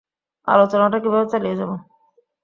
আলোচনাটা কীভাবে চালিয়ে যাব?